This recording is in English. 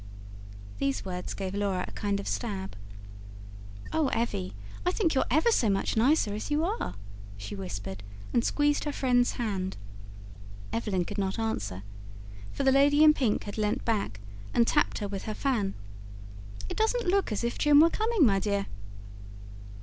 These words gave Laura a kind of stab. "Oh Evvy, I think you're EVER so much nicer as you are," she whispered, and squeezed her friend's hand. Evelyn could not answer, for the lady in pink had leant back and tapped her with her fan. "It doesn't look as if Jim were coming, my dear."